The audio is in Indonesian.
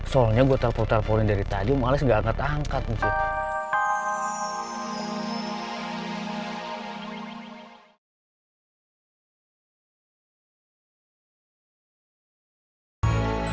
soalnya gue telpon telponin dari tadi om alex nggak angkat angkat maksud